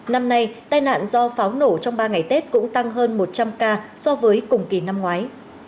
năm nay tai nạn do pháo nổ trong ba ngày tết cũng tăng hơn một trăm linh ca so với cùng kỳ năm ngoái